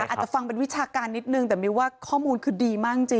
อาจจะฟังเป็นวิชาการนิดนึงแต่มิวว่าข้อมูลคือดีมากจริง